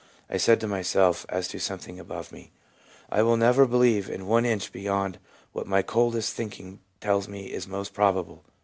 I said to myself, as to something above me, I will never believe one inch beyond what my coldest thinking tells me is most probable.